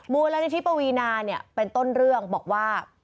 มูลนิธิปวีนาเนี่ยเป็นต้นเรื่องบอกว่า